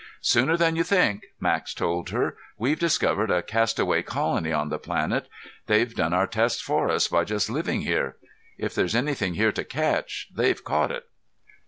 "Sooner than you think," Max told her. "We've discovered a castaway colony on the planet. They've done our tests for us by just living here. If there's anything here to catch, they've caught it."